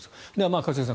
一茂さん